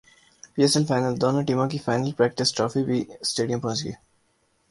پی S L final دونوں ٹیموں کی فائنل پریکٹسٹرافی بھی اسٹیڈیم پہنچ گئی